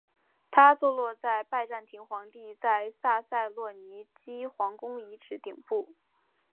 它坐落在拜占庭皇帝在塞萨洛尼基皇宫遗址顶部。